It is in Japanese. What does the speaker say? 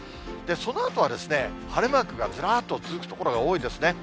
そのあとは、晴れマークがずらっと続く所が多いですね。